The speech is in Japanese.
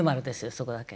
そこだけ。